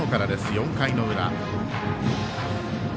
４回の裏。